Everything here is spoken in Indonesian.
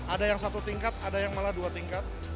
ada yang satu tingkat ada yang malah dua tingkat